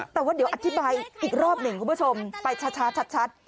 แต่ว่าเดี๋ยวอธิบายอีกรอบหนึ่งคุณผู้ชมไปช้าชัด